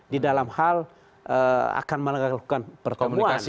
di dalam hal akan melakukan pertemuan